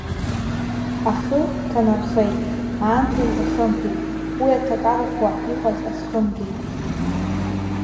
Ахы ҭанархеит, аанда изахымԥеит, уи, аҭакар ӷәӷәа иҟаз азхымгеит.